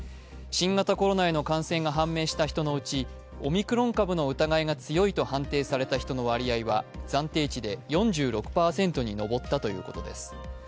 新型コロナへの感染が判明した人のうちオミクロン株の疑いが強いと判定された人の割合は暫定値で４６％に上ったということです。